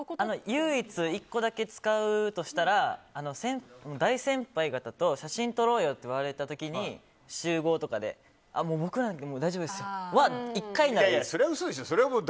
唯一１個だけ使うとしたら大先輩方と写真撮ろうって言われた時に集合とかで僕なんか大丈夫ですはそれは嘘でしょ。